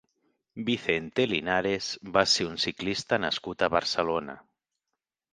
Vicente Linares va ser un ciclista nascut a Barcelona.